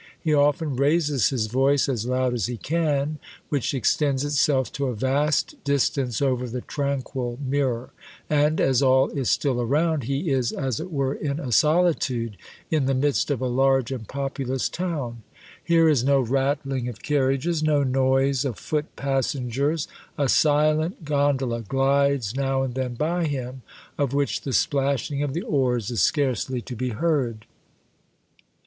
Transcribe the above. He often raises his voice as loud as he can, which extends itself to a vast distance over the tranquil mirror; and, as all is still around, he is as it were in a solitude in the midst of a large and populous town. Here is no rattling of carriages, no noise of foot passengers; a silent gondola glides now and then by him, of which the splashing of the oars is scarcely to be heard.